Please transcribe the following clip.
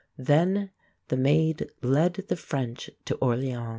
Then the Maid led the French to Orléans.